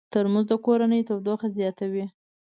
ترموز د کورنۍ تودوخه زیاتوي.